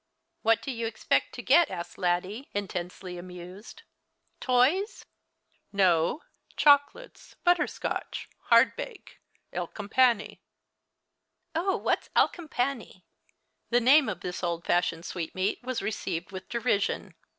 " What do you expect to get ?" asked Laddie, intensely amused. " Toys ?"" No ; chocolates, butterscotch, hardbake, alecompane." " Oh, what's alecompane ?" The name of this old fashioned sweetmeat was received with derision.